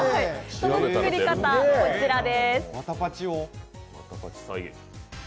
その作り方、こちらですね。